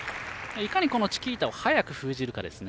いかにチキータを早く封じるかですね。